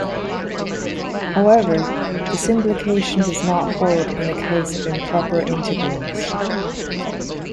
However, this implication does not hold in the case of improper integrals.